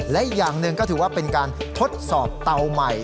และอีกอย่างหนึ่งก็ถือว่าเป็นการทดสอบเตาใหม่